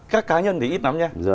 các cá nhân thì ít lắm nha